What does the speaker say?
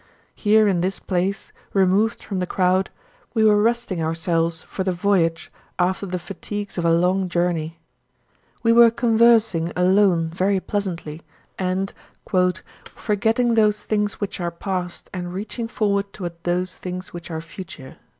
Here in this place, removed from the crowd, we were resting ourselves for the voyage after the fatigues of a long journey. We were conversing alone very pleasantly and "forgetting those things which are past, and reaching forward toward those things which are future."